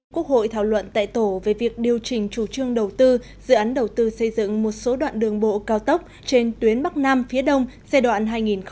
quốc hội thảo luận tại tổ về việc điều chỉnh chủ trương đầu tư dự án đầu tư xây dựng một số đoạn đường bộ cao tốc trên tuyến bắc nam phía đông giai đoạn hai nghìn một mươi sáu hai nghìn hai mươi